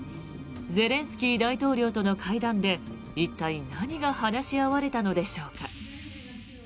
ゼレンスキー大統領との会談で一体、何が話し合われたのでしょうか。